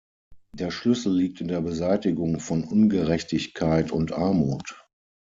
Der Schlüssel liegt in der Beseitigung von Ungerechtigkeit und Armut.